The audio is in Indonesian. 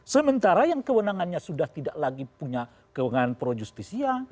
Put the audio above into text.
sementara yang kewenangannya sudah tidak lagi punya kewenangan projustusia